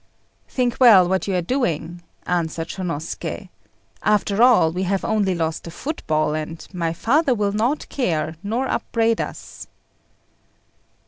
"Think well what you are doing," answered Shônosuké. "After all, we have only lost a football; and my father will not care, nor upbraid us."